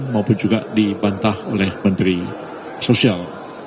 maupun juga dibantah oleh menteri sosial